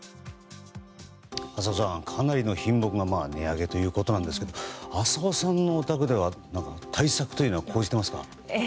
浅尾さん、かなりの品目が値上げということなんですけど浅尾さんのお宅では対策は講じていますか？